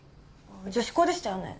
女子高でしたよね？